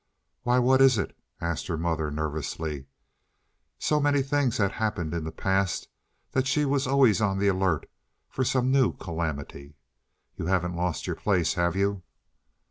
"Why, what is it?" asked her mother nervously. So many things had happened in the past that she was always on the alert for some new calamity. "You haven't lost your place, have you?"